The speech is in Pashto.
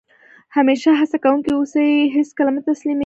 همېشه هڅه کوونکی اوسى؛ هېڅ کله مه تسلیمېږي!